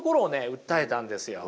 訴えたんですよ。